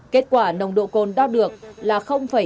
kết quả nồng độ cồn đo được là ba trăm linh năm mg